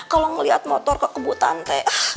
kalo ngeliat motor kekebutan teh